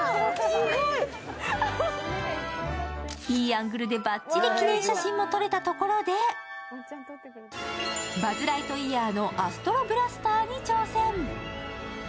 いいアングルでバッチリ記念写真も撮れたところでバズ・ライトイヤーのアストロブラスターに挑戦。